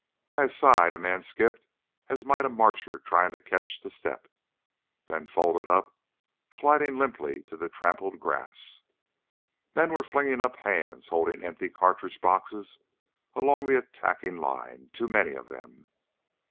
By his side a man skipped as might a marcher trying to catch step, then folded up, sliding limply to the trampled grass. Men were flinging up hands holding empty cartridge boxes along the attacking line too many of them.